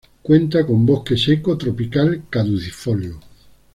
Cuenta con bosque seco tropical, caducifolio.